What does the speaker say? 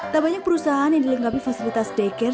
tak banyak perusahaan yang dilengkapi fasilitas daycare